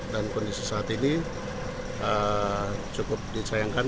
dan kondisi saat ini cukup disayangkan